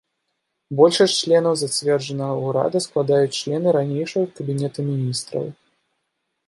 Большасць членаў зацверджанага ўрада складаюць члены ранейшага кабінета міністраў.